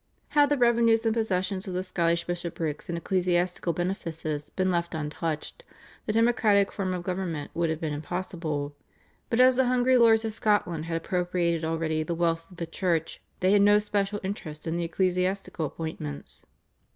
Had the revenues and possessions of the Scottish bishoprics and ecclesiastical benefices been left untouched the democratic form of government would have been impossible, but as the hungry lords of Scotland had appropriated already the wealth of the Church they had no special interest in the ecclesiastical appointments.